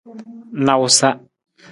Nawusa.